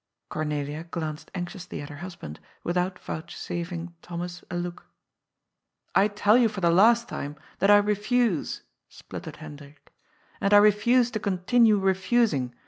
Cornelia glanced anxiously at her husband, without vouchsafing Thomas a look. " I tell you for the last time that I refuse," spluttered Hendrik ;^* and I refuse to continue refusing.